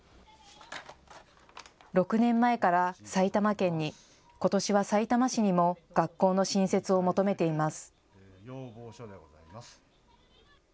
６年前から埼玉県に、ことしは、さいたま市にも学校の新設を求めています。